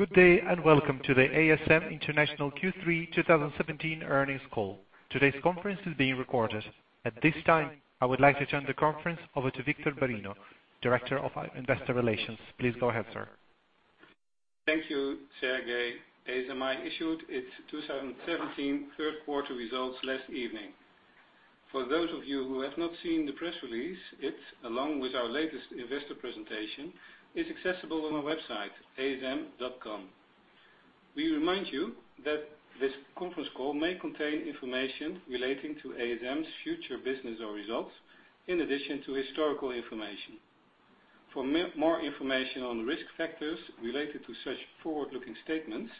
Good day, welcome to the ASM International Q3 2017 earnings call. Today's conference is being recorded. At this time, I would like to turn the conference over to Victor Bareño, Director of Investor Relations. Please go ahead, sir. Thank you, Sergey. ASMI issued its 2017 third quarter results last evening. For those of you who have not seen the press release, it, along with our latest investor presentation, is accessible on our website, asm.com. We remind you that this conference call may contain information relating to ASM's future business or results, in addition to historical information. For more information on risk factors related to such forward-looking statements,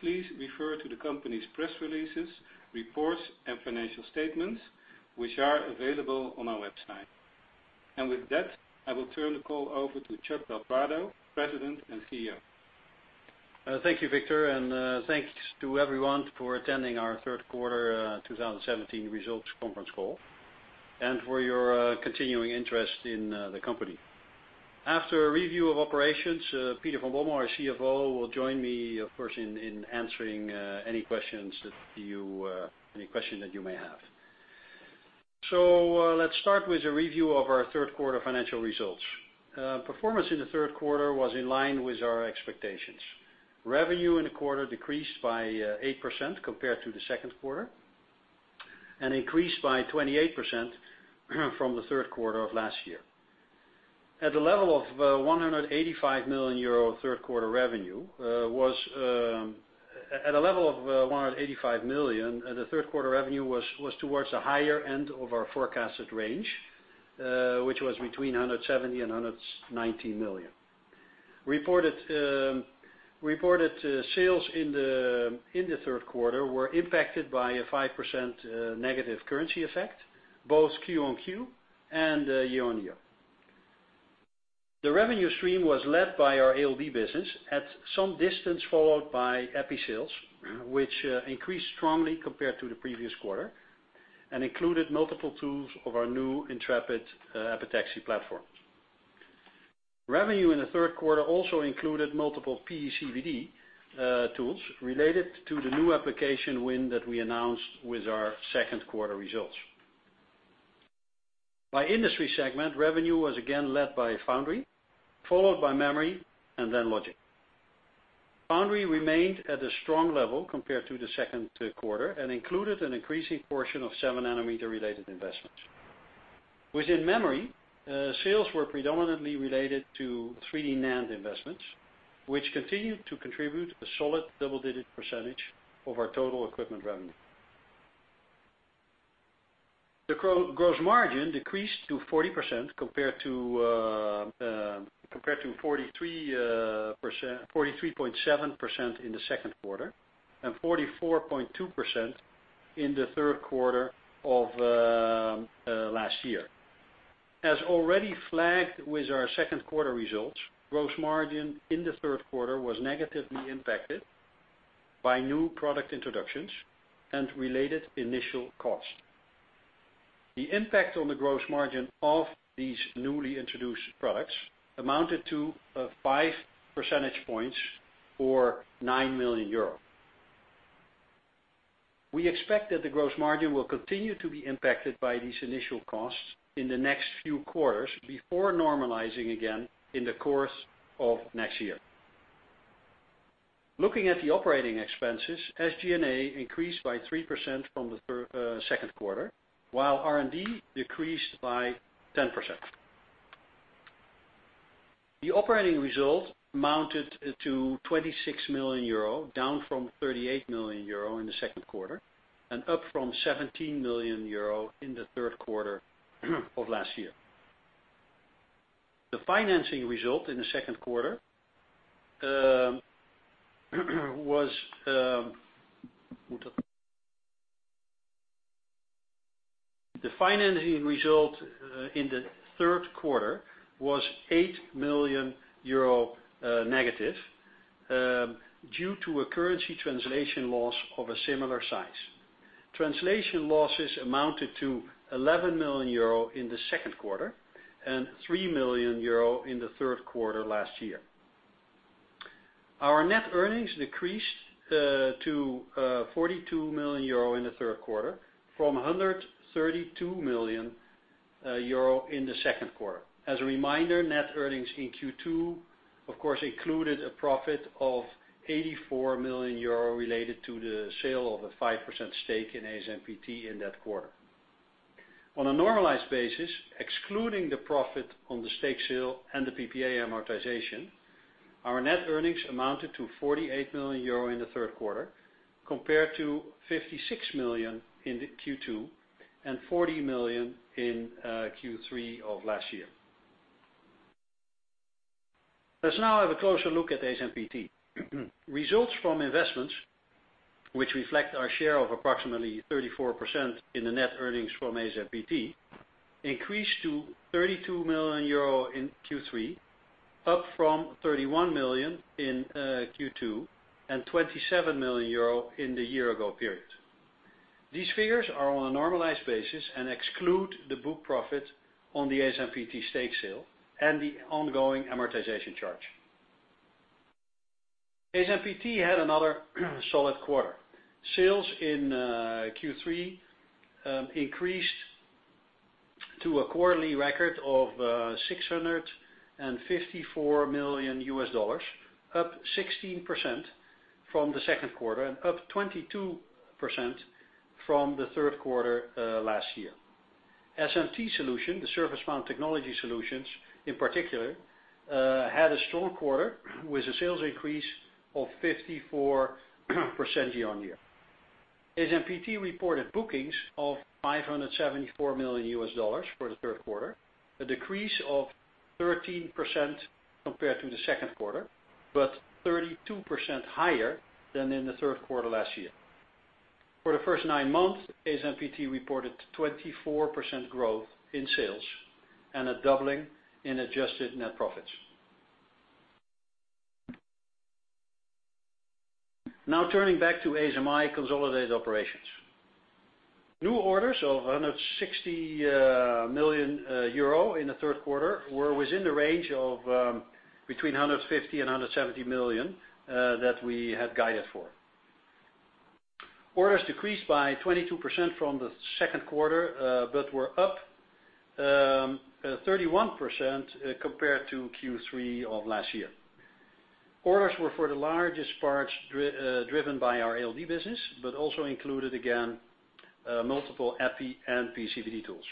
please refer to the company's press releases, reports, and financial statements, which are available on our website. With that, I will turn the call over to Chuck del Prado, President and CEO. Thank you, Victor. Thanks to everyone for attending our third quarter 2017 results conference call and for your continuing interest in the company. After a review of operations, Peter van Bommel, our CFO, will join me, of course, in answering any question that you may have. Let's start with a review of our third quarter financial results. Performance in the third quarter was in line with our expectations. Revenue in the third quarter decreased by 8% compared to the second quarter and increased by 28% from the third quarter of last year. At a level of 185 million, the third quarter revenue was towards the higher end of our forecasted range, which was between 170 million and 190 million. Reported sales in the third quarter were impacted by a 5% negative currency effect, both Q-on-Q and year-on-year. The revenue stream was led by our ALD business, at some distance, followed by epi sales, which increased strongly compared to the previous quarter and included multiple tools of our new Intrepid epitaxy platform. Revenue in the third quarter also included multiple PECVD tools related to the new application win that we announced with our second quarter results. By industry segment, revenue was again led by foundry, followed by memory, then logic. Foundry remained at a strong level compared to the second quarter and included an increasing portion of 7-nanometer related investments. Within memory, sales were predominantly related to 3D NAND investments, which continued to contribute a solid double-digit percentage of our total equipment revenue. The gross margin decreased to 40% compared to 43.7% in the second quarter, and 44.2% in the third quarter of last year. As already flagged with our second quarter results, gross margin in the third quarter was negatively impacted by new product introductions and related initial costs. The impact on the gross margin of these newly introduced products amounted to 5 percentage points or 9 million euros. We expect that the gross margin will continue to be impacted by these initial costs in the next few quarters before normalizing again in the course of next year. Looking at the operating expenses, SG&A increased by 3% from the second quarter, while R&D decreased by 10%. The operating result amounted to 26 million euro, down from 38 million euro in the second quarter, and up from 17 million euro in the third quarter of last year. The financing result in the third quarter was 8 million euro negative due to a currency translation loss of a similar size. Translation losses amounted to 11 million euro in the second quarter and 3 million euro in the third quarter last year. Our net earnings decreased to 42 million euro in the third quarter from 132 million euro in the second quarter. As a reminder, net earnings in Q2, of course, included a profit of 84 million euro related to the sale of a 5% stake in ASMPT in that quarter. On a normalized basis, excluding the profit on the stake sale and the PPA amortization, our net earnings amounted to 48 million euro in the third quarter, compared to 56 million in Q2 and 40 million in Q3 of last year. Let's now have a closer look at ASMPT. Results from investments, which reflect our share of approximately 34% in the net earnings from ASMPT, increased to 32 million euro in Q3, up from 31 million in Q2, and 27 million euro in the year-ago period. These figures are on a normalized basis and exclude the book profit on the ASMPT stake sale and the ongoing amortization charge. ASMPT had another solid quarter. Sales in Q3 increased to a quarterly record of $654 million, up 16% from the second quarter, and up 22% from the third quarter last year. SMT Solutions, the Surface Mount Technology Solutions in particular, had a strong quarter with a sales increase of 54% year-on-year. ASMPT reported bookings of $574 million for the third quarter, a decrease of 13% compared to the second quarter, but 32% higher than in the third quarter last year. For the first nine months, ASMPT reported 24% growth in sales and a doubling in adjusted net profits. Now turning back to ASMI consolidated operations. New orders of 160 million euro in the third quarter were within the range of between 150 million and 170 million that we had guided for. Orders decreased by 22% from the second quarter, but were up 31% compared to Q3 of last year. Orders were for the largest parts driven by our ALD business, but also included, again, multiple EPI and PECVD tools.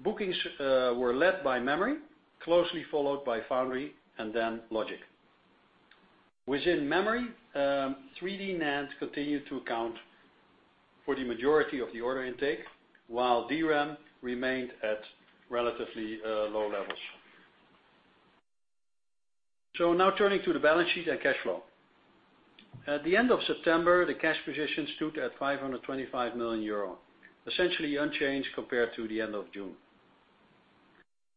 Bookings were led by memory, closely followed by foundry, and then logic. Within memory, 3D NAND continued to account for the majority of the order intake, while DRAM remained at relatively low levels. Now turning to the balance sheet and cash flow. At the end of September, the cash position stood at 525 million euro, essentially unchanged compared to the end of June.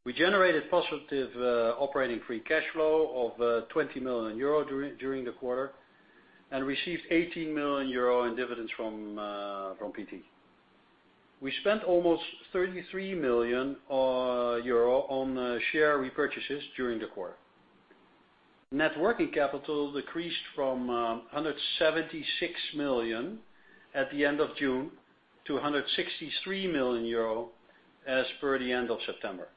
We generated positive operating free cash flow of 20 million euro during the quarter and received 18 million euro in dividends from ASMPT. We spent almost 33 million euro on share repurchases during the quarter. Net working capital decreased from 176 million at the end of June to 163 million euro as per the end of September.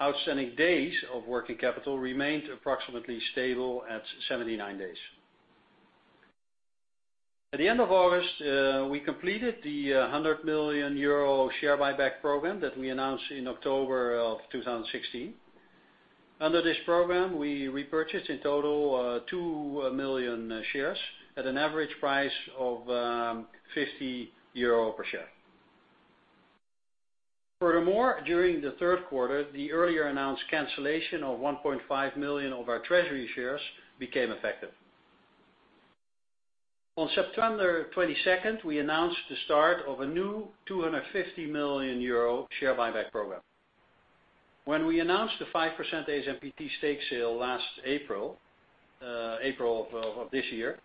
Outstanding days of working capital remained approximately stable at 79 days. At the end of August, we completed the 100 million euro share buyback program that we announced in October of 2016. Under this program, we repurchased in total 2 million shares at an average price of 50 euro per share. Furthermore, during the third quarter, the earlier announced cancellation of 1.5 million of our treasury shares became effective. On September 22nd, we announced the start of a new 250 million euro share buyback program. When we announced the 5% ASMPT stake sale last April of this year,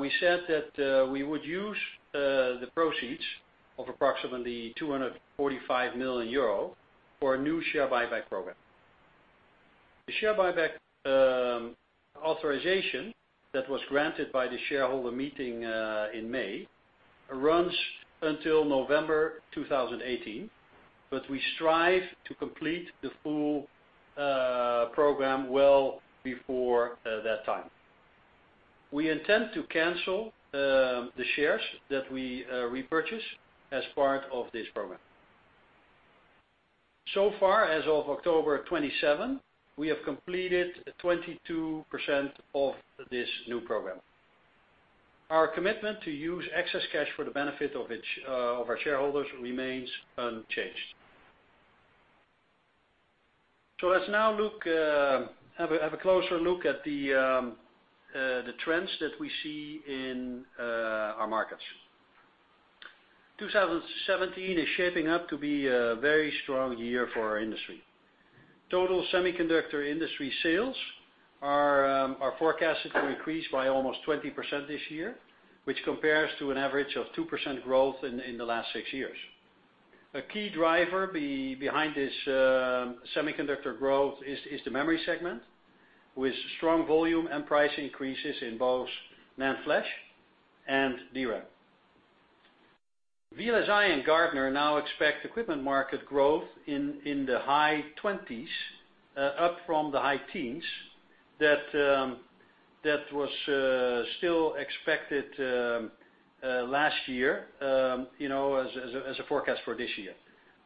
we said that we would use the proceeds of approximately 245 million euro for a new share buyback program. The share buyback authorization that was granted by the shareholder meeting in May runs until November 2018, but we strive to complete the full program well before that time. We intend to cancel the shares that we repurchase as part of this program. Far, as of October 27, we have completed 22% of this new program. Our commitment to use excess cash for the benefit of our shareholders remains unchanged. Let's now have a closer look at the trends that we see in our markets. 2017 is shaping up to be a very strong year for our industry. Total semiconductor industry sales are forecasted to increase by almost 20% this year, which compares to an average of 2% growth in the last six years. A key driver behind this semiconductor growth is the memory segment, with strong volume and price increases in both NAND flash and DRAM. VLSI Research and Gartner now expect equipment market growth in the high 20s, up from the high teens, that was still expected last year as a forecast for this year,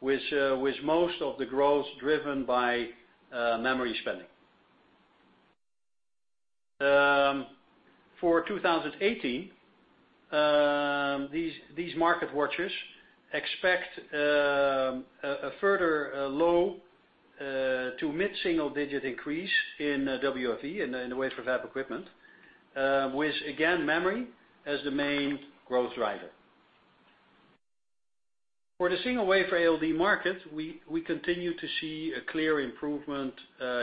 with most of the growth driven by memory spending. For 2018, these market watchers expect a further low- to mid-single-digit increase in WFE, in the wafer fab equipment, with, again, memory as the main growth driver. For the single-wafer ALD market, we continue to see a clear improvement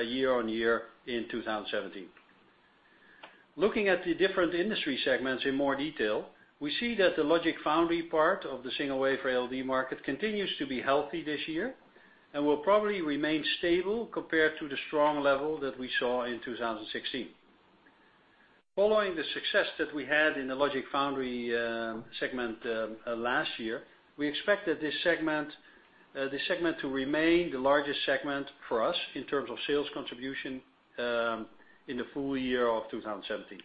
year on year in 2017. Looking at the different industry segments in more detail, we see that the logic foundry part of the single-wafer ALD market continues to be healthy this year and will probably remain stable compared to the strong level that we saw in 2016. Following the success that we had in the logic foundry segment last year, we expect this segment to remain the largest segment for us in terms of sales contribution in the full year of 2017.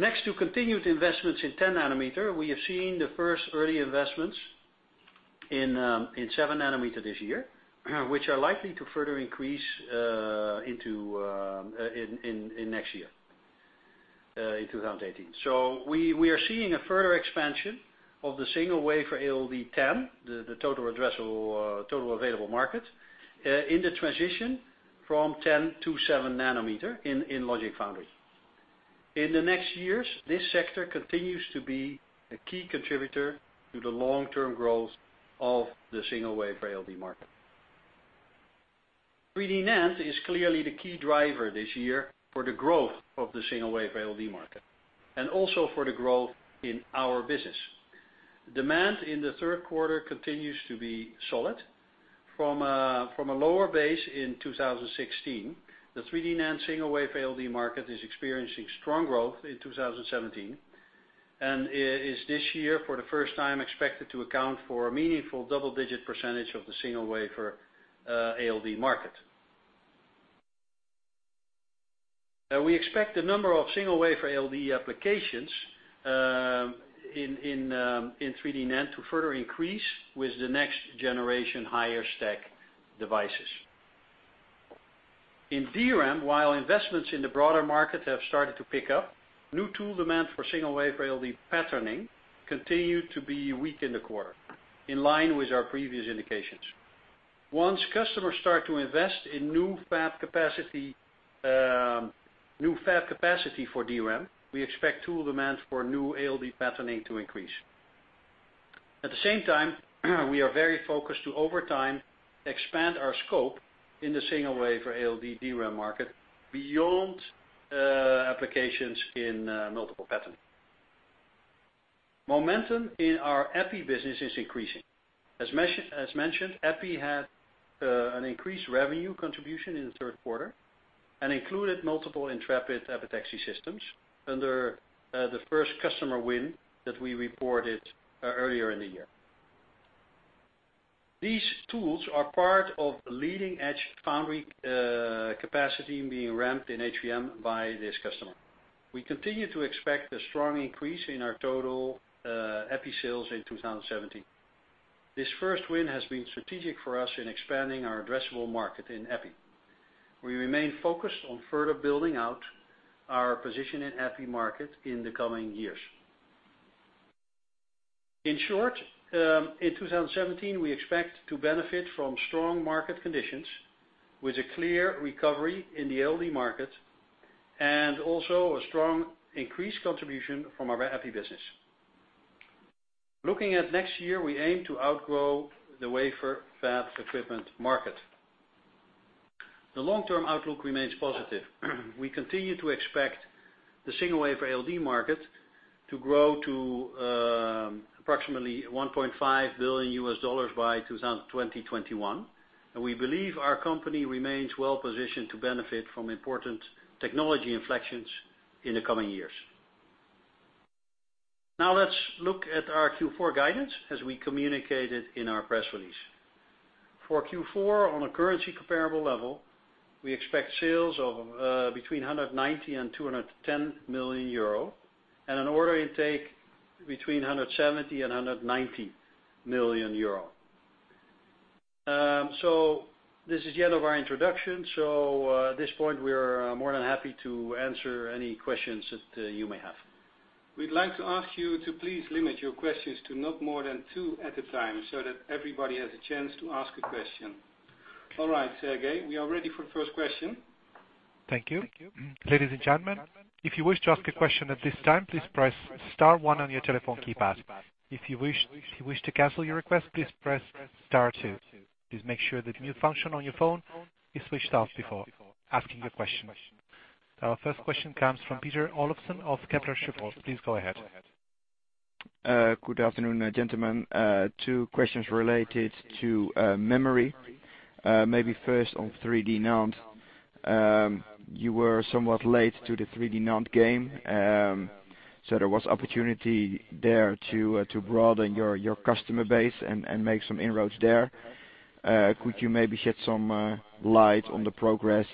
Next, to continued investments in 10 nanometer, we have seen the first early investments in seven nanometer this year, which are likely to further increase in next year, in 2018. We are seeing a further expansion of the single-wafer ALD 10, the total available market, in the transition from 10 to seven nanometer in logic foundry. In the next years, this sector continues to be a key contributor to the long-term growth of the single-wafer ALD market. 3D NAND is clearly the key driver this year for the growth of the single-wafer ALD market, and also for the growth in our business. Demand in the third quarter continues to be solid. From a lower base in 2016, the 3D NAND single-wafer ALD market is experiencing strong growth in 2017 and is this year, for the first time, expected to account for a meaningful double-digit % of the single-wafer ALD market. We expect the number of single-wafer ALD applications in 3D NAND to further increase with the next generation higher stack devices. In DRAM, while investments in the broader market have started to pick up, new tool demand for single-wafer ALD patterning continued to be weak in the quarter, in line with our previous indications. Once customers start to invest in new fab capacity for DRAM, we expect tool demand for new ALD patterning to increase. At the same time, we are very focused to, over time, expand our scope in the single-wafer ALD DRAM market beyond applications in multiple patterning. Momentum in our EPI business is increasing. As mentioned, EPI had an increased revenue contribution in the third quarter and included multiple Intrepid epitaxy systems under the first customer win that we reported earlier in the year. These tools are part of the leading-edge foundry capacity being ramped in HVM by this customer. We continue to expect a strong increase in our total EPI sales in 2017. This first win has been strategic for us in expanding our addressable market in EPI. We remain focused on further building out our position in EPI market in the coming years. In short, in 2017, we expect to benefit from strong market conditions with a clear recovery in the ALD market, and also a strong increased contribution from our EPI business. Looking at next year, we aim to outgrow the wafer fab equipment market. The long-term outlook remains positive. We continue to expect the single-wafer ALD market to grow to approximately $1.5 billion by 2021, and we believe our company remains well-positioned to benefit from important technology inflections in the coming years. Now let's look at our Q4 guidance as we communicated in our press release. For Q4, on a currency comparable level, we expect sales of between 190 million and 210 million euro and an order intake between 170 million euro and 190 million euro. This is the end of our introduction. At this point, we are more than happy to answer any questions that you may have. We'd like to ask you to please limit your questions to not more than two at a time, so that everybody has a chance to ask a question. All right, Sergey, we are ready for the first question. Thank you. Ladies and gentlemen, if you wish to ask a question at this time, please press star one on your telephone keypad. If you wish to cancel your request, please press star two. Please make sure the mute function on your phone is switched off before asking a question. Our first question comes from Pieter Olofsen of Kepler Cheuvreux. Please go ahead. Good afternoon, gentlemen. Two questions related to memory. Maybe first on 3D NAND. You were somewhat late to the 3D NAND game, so there was opportunity there to broaden your customer base and make some inroads there. Could you maybe shed some light on the progress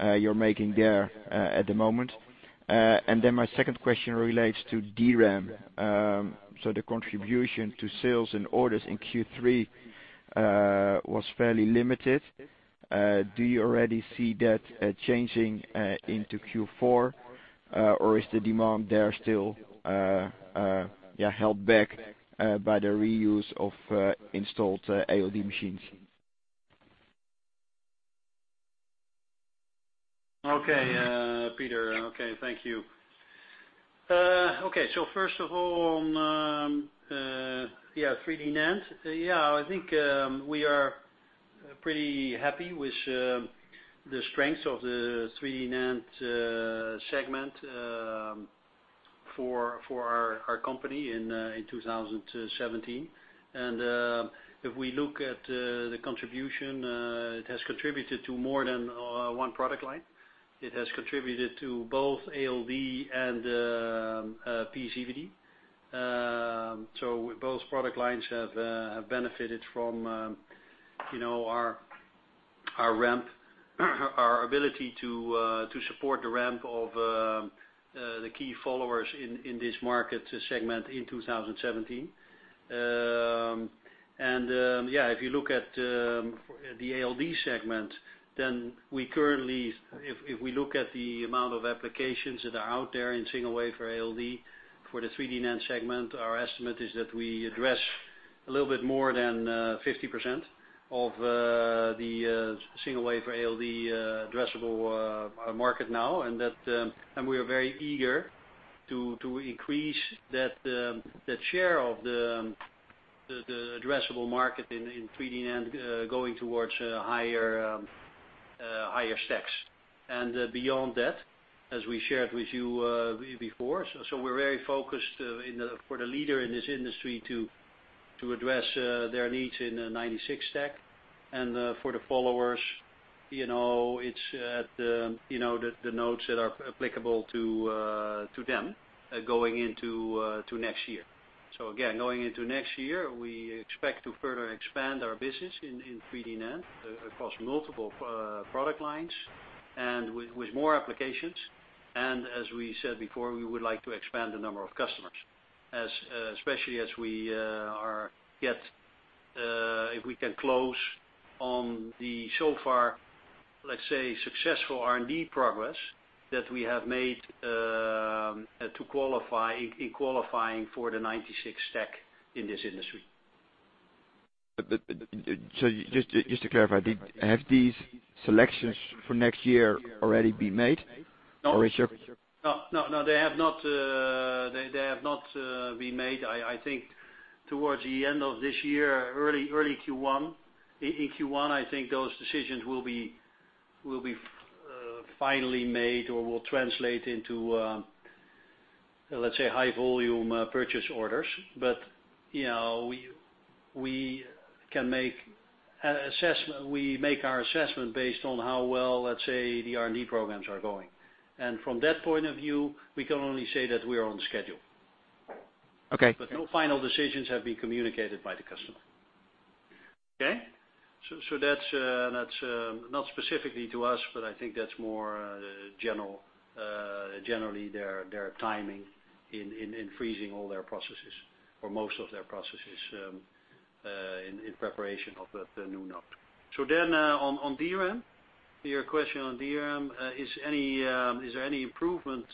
you're making there at the moment? My second question relates to DRAM. The contribution to sales and orders in Q3 was fairly limited. Do you already see that changing into Q4? Or is the demand there still held back by the reuse of installed ALD machines? Okay, Pieter. Thank you. First of all, on 3D NAND. I think we are pretty happy with the strength of the 3D NAND segment for our company in 2017. If we look at the contribution, it has contributed to more than one product line. It has contributed to both ALD and PECVD. Both product lines have benefited from our ability to support the ramp of the key followers in this market segment in 2017. If you look at the ALD segment, then currently, if we look at the amount of applications that are out there in single-wafer ALD for the 3D NAND segment, our estimate is that we address a little bit more than 50% of the single-wafer ALD addressable market now. We are very eager to increase that share of the addressable market in 3D NAND going towards higher stacks. Beyond that, as we shared with you before, we're very focused for the leader in this industry to address their needs in a 96 stack. For the followers, it's the nodes that are applicable to them going into next year. Again, going into next year, we expect to further expand our business in 3D NAND across multiple product lines and with more applications. As we said before, we would like to expand the number of customers, especially as if we can close on the so far, let's say, successful R&D progress that we have made in qualifying for the 96 stack in this industry. Just to clarify, have these selections for next year already been made? No, they have not been made. I think towards the end of this year, early Q1. In Q1, I think those decisions will be finally made or will translate into, let's say, high volume purchase orders. We make our assessment based on how well, let's say, the R&D programs are going. From that point of view, we can only say that we are on schedule. Okay. No final decisions have been communicated by the customer. Okay? That's not specifically to us, but I think that's more generally their timing in freezing all their processes or most of their processes, in preparation of the new node. On DRAM. Your question on DRAM, is there any improvement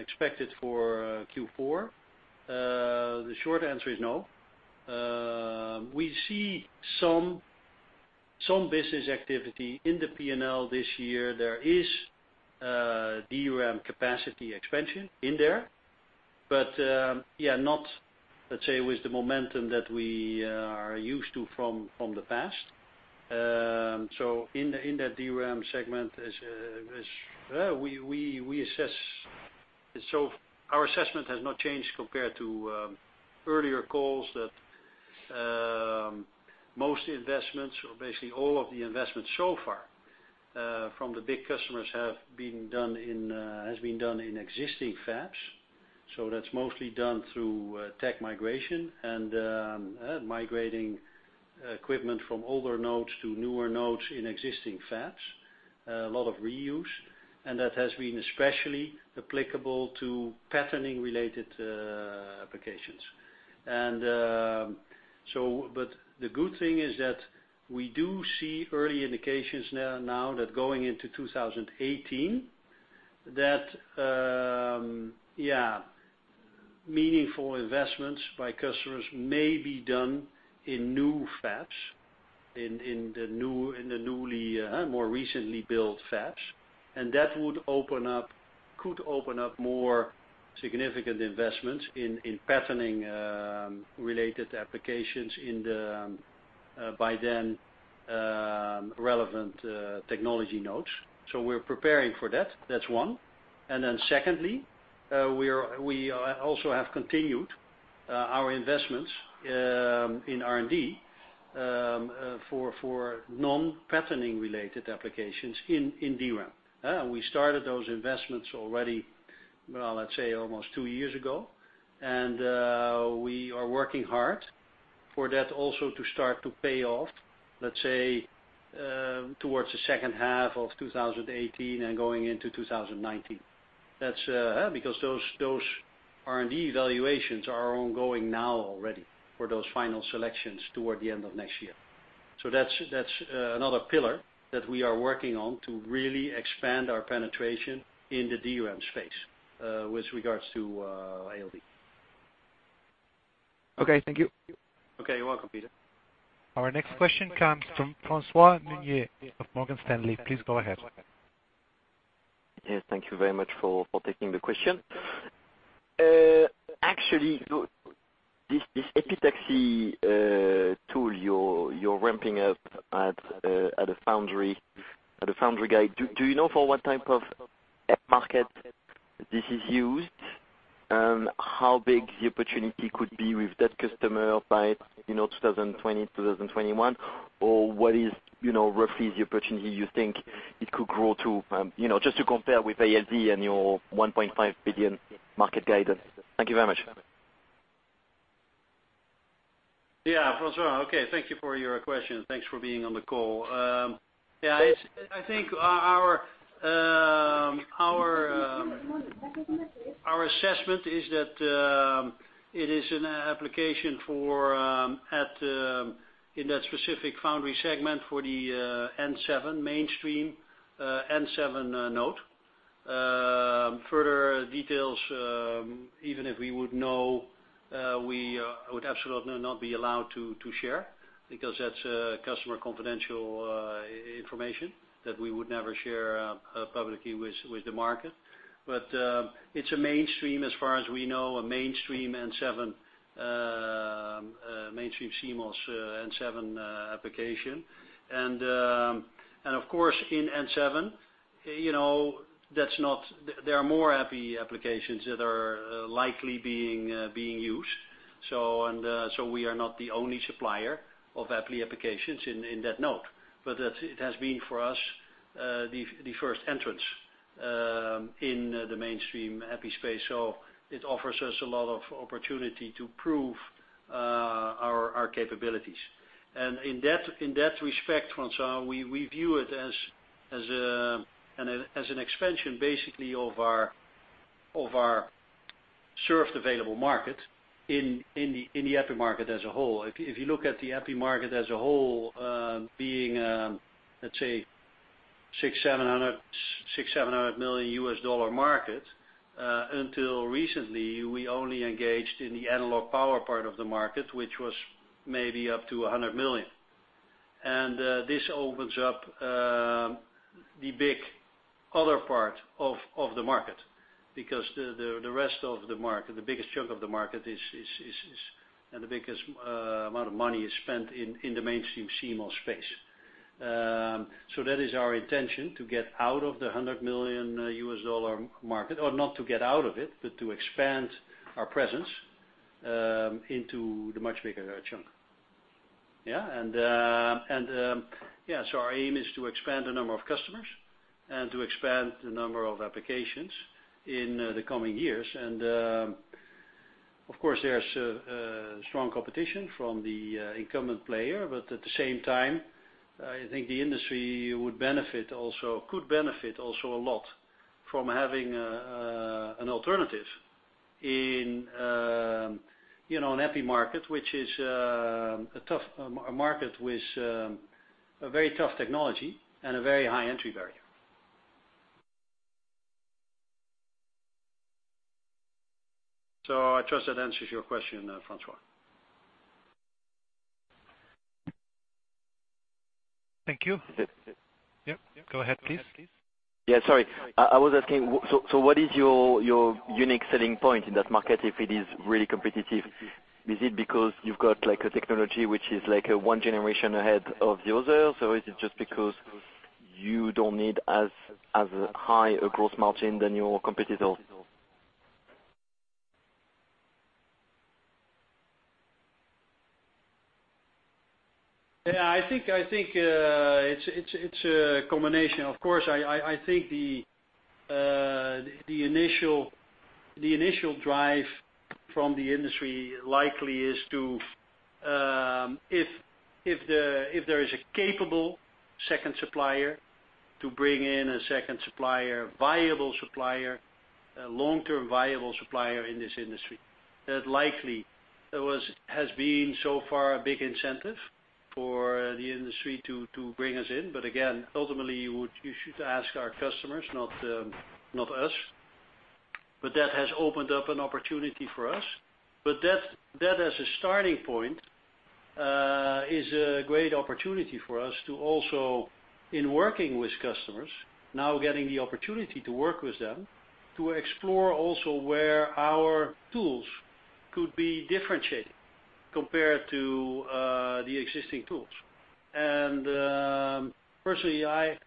expected for Q4? The short answer is no. We see some business activity in the P&L this year. There is DRAM capacity expansion in there. Not, let's say, with the momentum that we are used to from the past. In that DRAM segment, our assessment has not changed compared to earlier calls that most investments, or basically all of the investments so far, from the big customers has been done in existing fabs. That's mostly done through tech migration and migrating equipment from older nodes to newer nodes in existing fabs. A lot of reuse. That has been especially applicable to patterning-related applications. The good thing is that we do see early indications now that going into 2018, that meaningful investments by customers may be done in new fabs, in the newly, more recently built fabs. That could open up more significant investments in patterning-related applications by then relevant technology nodes. We're preparing for that. That's one. Secondly, we also have continued our investments in R&D, for non-patterning related applications in DRAM. We started those investments already, let's say almost two years ago. We are working hard for that also to start to pay off, let's say, towards the second half of 2018 and going into 2019. That's because those R&D evaluations are ongoing now already for those final selections toward the end of next year. That's another pillar that we are working on to really expand our penetration in the DRAM space, with regards to ALD. Okay. Thank you. Okay, you're welcome, Pieter. Our next question comes from François Meunier of Morgan Stanley. Please go ahead. Yes, thank you very much for taking the question. Actually, this epitaxy tool you're ramping up at a foundry guide, do you know for what type of end market this is used? How big the opportunity could be with that customer by 2020, 2021? What is roughly the opportunity you think it could grow to? Just to compare with ALD and your $1.5 billion market guidance. Thank you very much. Yeah, François. Okay. Thank you for your question. Thanks for being on the call. I think our assessment is that it is an application in that specific foundry segment for the N7 mainstream, N7 node. Further details, even if we would know, we would absolutely not be allowed to share because that's customer confidential information that we would never share publicly with the market. It's a mainstream as far as we know, a mainstream CMOS N7 application. Of course, in N7, there are more EPI applications that are likely being used. We are not the only supplier of EPI applications in that node. It has been for us, the first entrance in the mainstream EPI space. It offers us a lot of opportunity to prove our capabilities. In that respect, François, we view it as an expansion basically of our served available market in the EPI market as a whole. If you look at the EPI market as a whole, being, let's say $600 million-$700 million US dollar market, until recently, we only engaged in the analog power part of the market, which was maybe up to $100 million. This opens up the big other part of the market because the rest of the market, the biggest chunk of the market and the biggest amount of money is spent in the mainstream CMOS space. That is our intention to get out of the $100 million US dollar market, or not to get out of it, but to expand our presence into the much bigger chunk. Yeah. Our aim is to expand the number of customers and to expand the number of applications in the coming years. Of course, there's strong competition from the incumbent player, but at the same time, I think the industry could benefit also a lot from having an alternative in an EPI market, which is a market with a very tough technology and a very high entry barrier. I trust that answers your question, François. Thank you. Yep. Go ahead, please. Sorry. I was asking, what is your unique selling point in that market if it is really competitive? Is it because you've got a technology which is one generation ahead of the others, or is it just because you don't need as high a gross margin than your competitor? Yeah, I think it's a combination. Of course, I think the initial drive from the industry likely is to, if there is a capable second supplier to bring in a second supplier, viable supplier, a long-term viable supplier in this industry. That likely has been so far a big incentive for the industry to bring us in. Ultimately, you should ask our customers, not us. That has opened up an opportunity for us. That as a starting point, is a great opportunity for us to also, in working with customers, now getting the opportunity to work with them, to explore also where our tools could be differentiated compared to the existing tools. Personally, I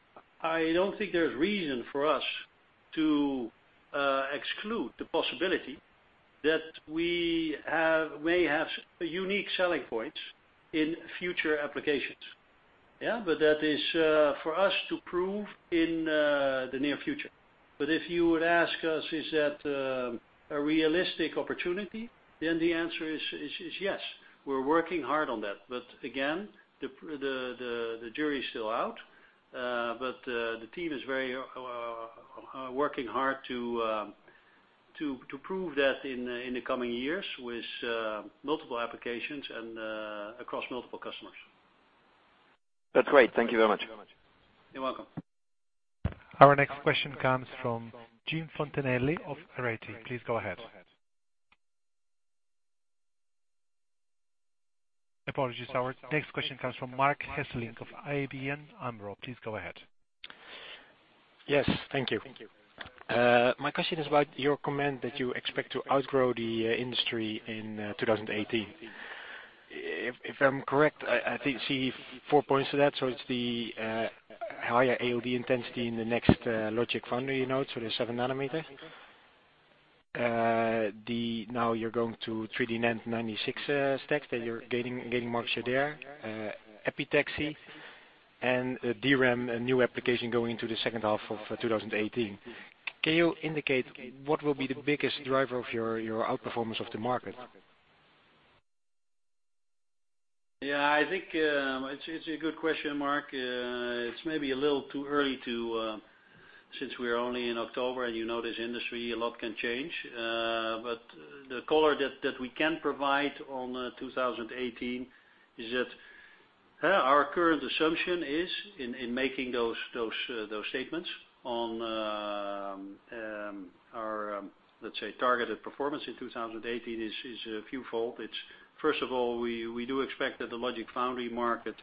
don't think there's reason for us to exclude the possibility that we may have unique selling points in future applications. Yeah. That is for us to prove in the near future. If you would ask us, is that a realistic opportunity? The answer is yes. We're working hard on that. Again, the jury is still out. The team is working hard to prove that in the coming years with multiple applications and across multiple customers. That's great. Thank you very much. You're welcome. Our next question comes from Jim Fontanelli of Arete Research. Please go ahead. Apologies. Our next question comes from Marc Hesselink of ABN AMRO. Please go ahead. Yes. Thank you. My question is about your comment that you expect to outgrow the industry in 2018. If I'm correct, I think see four points to that. It's the higher ALD intensity in the next logic foundry nodes, so the 7-nanometer. Now you're going to 3D NAND 96 stacks, that you're gaining market share there. Epitaxy and DRAM, a new application going into the second half of 2018. Can you indicate what will be the biggest driver of your outperformance of the market? I think it's a good question, Marc. It's maybe a little too early, since we're only in October, and you know this industry, a lot can change. The color that we can provide on 2018 is that our current assumption is in making those statements on our, let's say targeted performance in 2018 is twofold. First of all, we do expect that the logic foundry market,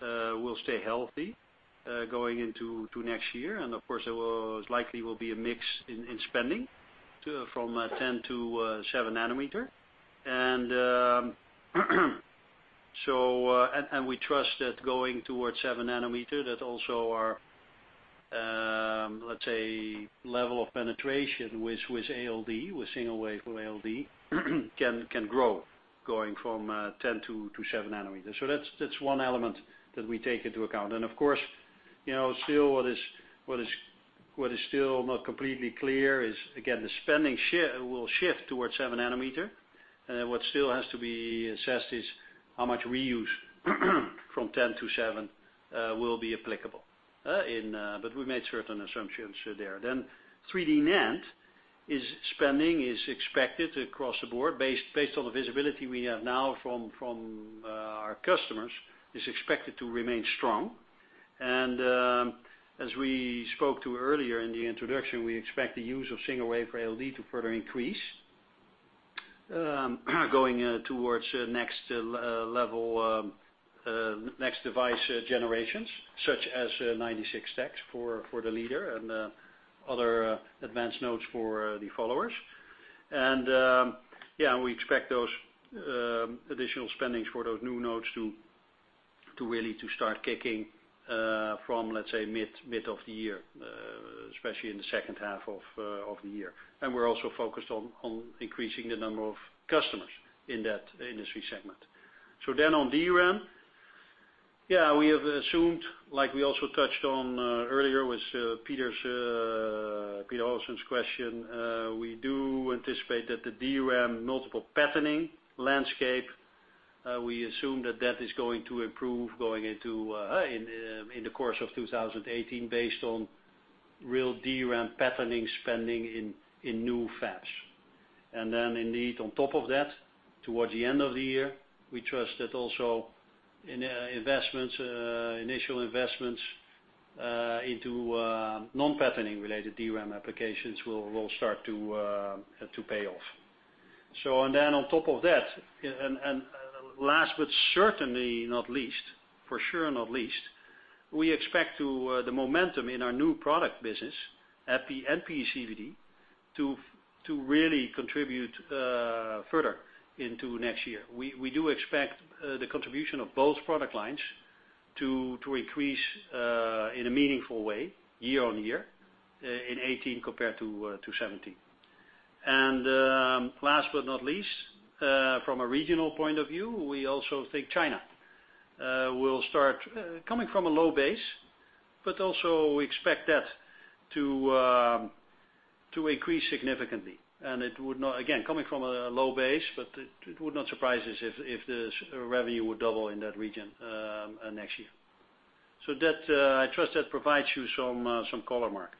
will stay healthy, going into next year. Of course, there likely will be a mix in spending from 10 to 7-nanometer. We trust that going towards 7-nanometer, that also our let's say, level of penetration with single-wafer ALD can grow, going from 10 to 7-nanometer. That's one element that we take into account. Of course, what is still not completely clear is, again, the spending will shift towards 7-nanometer. What still has to be assessed is how much reuse from 10 to 7 will be applicable. We made certain assumptions there. 3D NAND spending is expected across the board based on the visibility we have now from our customers, is expected to remain strong. As we spoke to earlier in the introduction, we expect the use of single-wafer ALD to further increase, going towards next device generations such as 96 stacks for the leader and other advanced nodes for the followers. We expect those additional spendings for those new nodes to really to start kicking, from, let's say, mid of the year, especially in the second half of the year. We're also focused on increasing the number of customers in that industry segment. On DRAM. We have assumed, like we also touched on earlier with Pieter Olofsen's question, we do anticipate that the DRAM multiple patterning landscape, we assume that is going to improve in the course of 2018 based on real DRAM patterning spending in new fabs. Indeed, on top of that, towards the end of the year, we trust that also initial investments into non-patterning related DRAM applications will start to pay off. On top of that, and last, but certainly not least, we expect the momentum in our new product business at the PECVD to really contribute further into next year. We do expect the contribution of both product lines to increase in a meaningful way year-on-year, in 2018 compared to 2017. Last but not least, from a regional point of view, we also think China will start coming from a low base, but also we expect that to increase significantly. Again, coming from a low base, but it would not surprise us if the revenue would double in that region next year. I trust that provides you some color, Marc.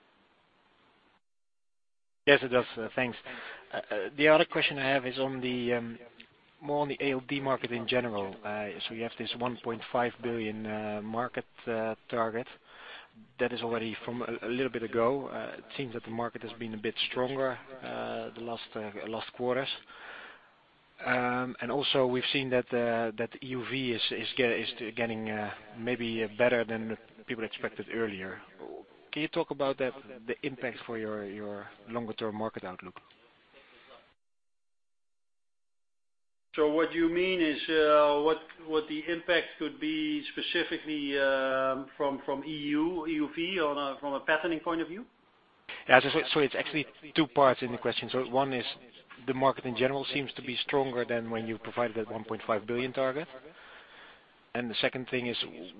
Yes, it does. Thanks. The other question I have is more on the ALD market in general. We have this $1.5 billion market target that is already from a little bit ago. It seems that the market has been a bit stronger the last quarters. Also, we've seen that EUV is getting maybe better than people expected earlier. Can you talk about the impact for your longer-term market outlook? What you mean is, what the impact could be specifically from EUV from a patterning point of view? It's actually two parts in the question. One is the market in general seems to be stronger than when you provided that $1.5 billion target. The second thing is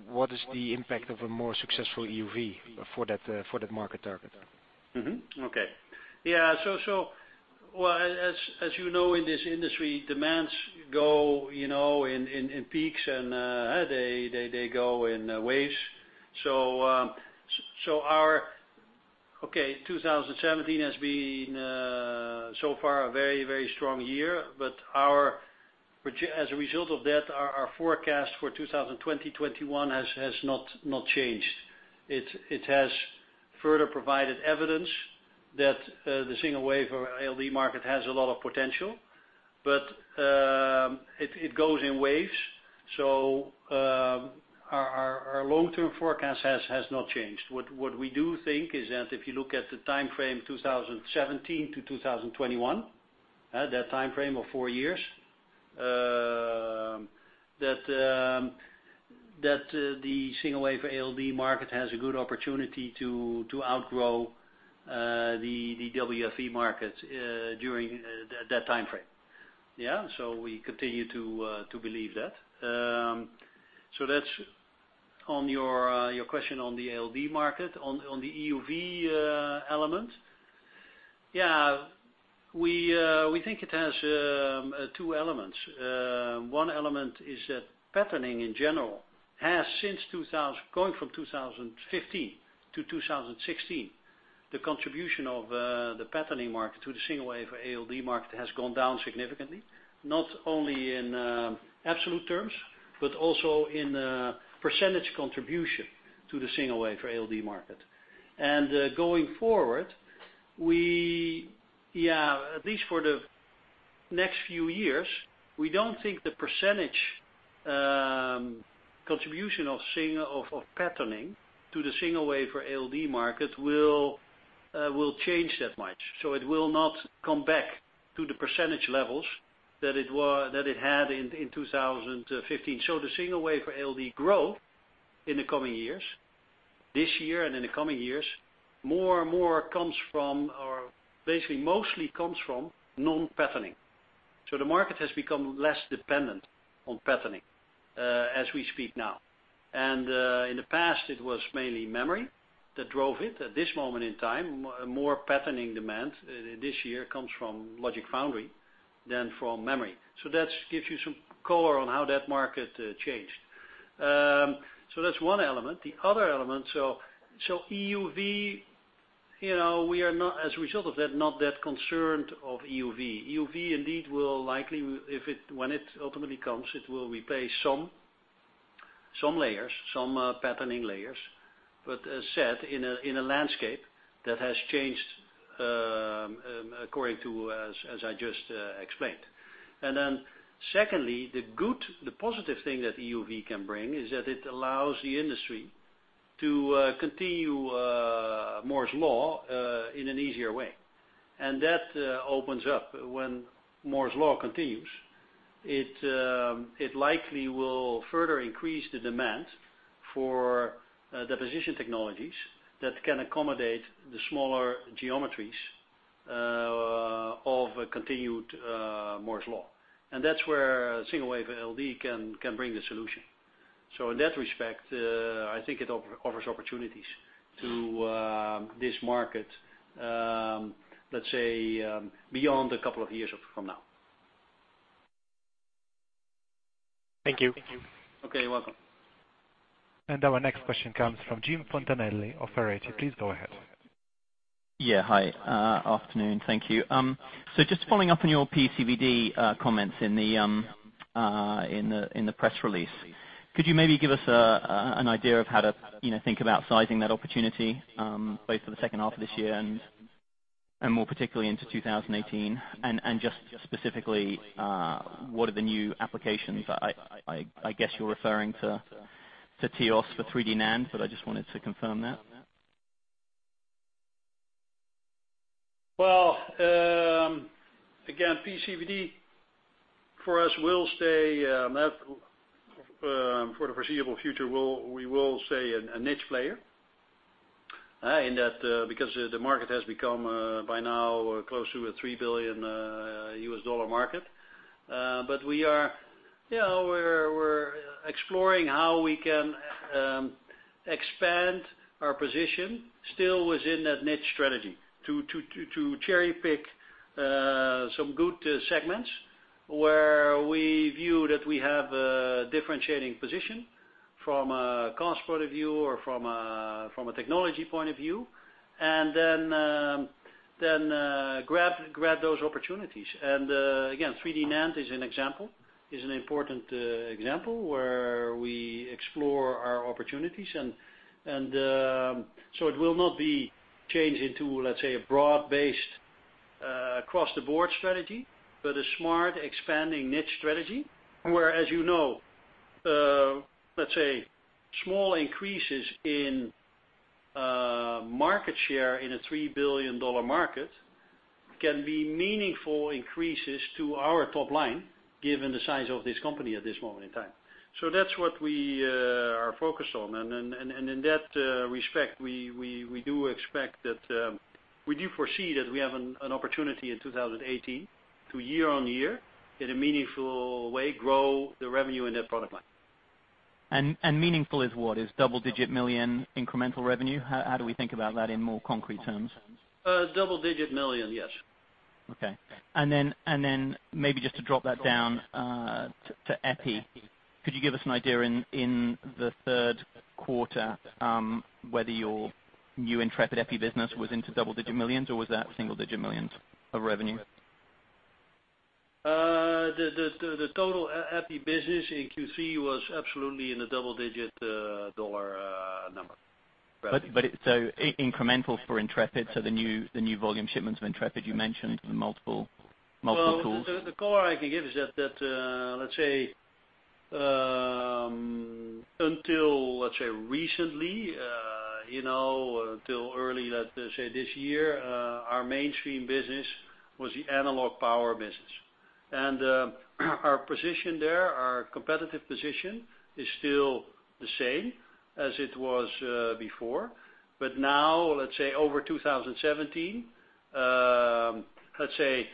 what is the impact of a more successful EUV for that market target? Okay. As you know, in this industry, demands go in peaks and they go in waves. Our 2017 has been, so far, a very strong year. As a result of that, our forecast for 2020, 2021 has not changed. It has further provided evidence that the single-wafer ALD market has a lot of potential. It goes in waves, so our long-term forecast has not changed. What we do think is that if you look at the time frame 2017 to 2021, that time frame of four years, that the single-wafer ALD market has a good opportunity to outgrow the WFE market during that time frame. We continue to believe that. That's on your question on the ALD market. On the EUV element, we think it has two elements. One element is that patterning in general, going from 2015 to 2016, the contribution of the patterning market to the single-wafer ALD market has gone down significantly, not only in absolute terms, but also in percentage contribution to the single-wafer ALD market. Going forward, at least for the next few years, we don't think the percentage contribution of patterning to the single-wafer ALD market will change that much. It will not come back to the percentage levels that it had in 2015. The single-wafer ALD growth in the coming years, this year and in the coming years, more comes from, or basically mostly comes from non-patterning. The market has become less dependent on patterning as we speak now. In the past, it was mainly memory that drove it. At this moment in time, more patterning demand this year comes from logic foundry than from memory. That gives you some color on how that market changed. That's one element. The other element, EUV, as a result of that, not that concerned of EUV. EUV indeed will likely, when it ultimately comes, it will replace some layers, some patterning layers, but as said, in a landscape that has changed according to, as I just explained. Secondly, the positive thing that EUV can bring is that it allows the industry to continue Moore's Law in an easier way. That opens up when Moore's Law continues. It likely will further increase the demand for deposition technologies that can accommodate the smaller geometries of a continued Moore's Law. That's where single-wafer ALD can bring the solution. In that respect, I think it offers opportunities to this market, let's say, beyond a couple of years from now. Thank you. Okay, you're welcome. Our next question comes from Jim Fontanelli of Arete Research. Please go ahead. Yeah. Hi, afternoon. Thank you. Just following up on your PECVD comments in the press release, could you maybe give us an idea of how to think about sizing that opportunity, both for the second half of this year and more particularly into 2018? Just specifically, what are the new applications? I guess you're referring to TEOS for 3D NAND, but I just wanted to confirm that. Again, PECVD for us will stay, for the foreseeable future, we will stay a niche player. The market has become, by now, close to a $3 billion market. We're exploring how we can expand our position still within that niche strategy to cherry-pick some good segments where we view that we have a differentiating position from a cost point of view or from a technology point of view. Then grab those opportunities. Again, 3D NAND is an example, is an important example where we explore our opportunities. So it will not be changed into, let's say, a broad-based across-the-board strategy, but a smart, expanding niche strategy. Where, as you know, let's say small increases in market share in a $3 billion market can be meaningful increases to our top line, given the size of this company at this moment in time. That's what we are focused on. In that respect, we do expect that, we do foresee that we have an opportunity in 2018 to year-on-year, in a meaningful way, grow the revenue in that product line. Meaningful is what? Is double-digit million incremental revenue? How do we think about that in more concrete terms? Double-digit million, yes. Okay. Maybe just to drop that down to Epi, could you give us an idea in the third quarter, whether your new Intrepid Epi business was into double-digit millions or was that single-digit millions of revenue? The total Epi business in Q3 was absolutely in the double-digit EUR number. Incremental for Intrepid, the new volume shipments of Intrepid you mentioned in multiple tools. Well, the color I can give is that, let's say, until recently, until early, let's say this year, our mainstream business was the analog power business. Our position there, our competitive position is still the same as it was before. Over 2017, let's say